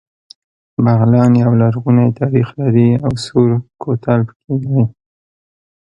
بغلان يو لرغونی تاریخ لري او سور کوتل پکې دی